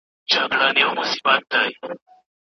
زه دي ستا لپاره غواړم نور مي نسته غرضونه